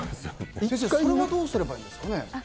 先生、それはどうすればいいですかね。